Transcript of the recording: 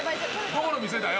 どこの店だよ？